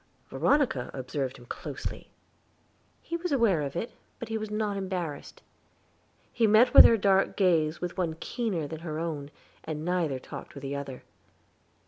Veronica observed him closely; he was aware of it, but was not embarrassed; he met her dark gaze with one keener than her own, and neither talked with the other.